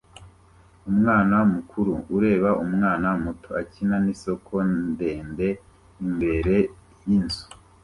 Umwana mukuru ureba umwana muto akina nisoko ndende imbere yinzu